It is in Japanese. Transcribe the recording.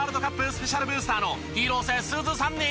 スペシャルブースターの広瀬すずさんに。